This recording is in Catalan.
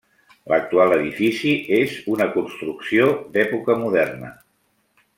L'actual edifici és una construcció d'època moderna.